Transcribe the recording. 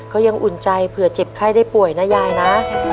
อุ่นใจเผื่อเจ็บไข้ได้ป่วยนะยายนะ